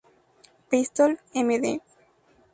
Pistol Md.